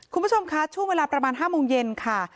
คุณผู้ชมคะช่วงเวลาประมาณ๕โมงเย็นค่ะ